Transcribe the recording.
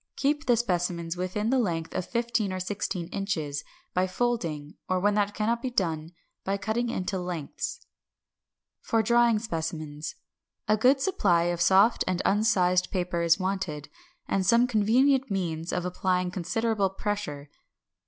Keep the specimens within the length of fifteen or sixteen inches, by folding, or when that cannot be done, by cutting into lengths. 562. =For Drying Specimens= a good supply of soft and unsized paper is wanted; and some convenient means of applying considerable pressure.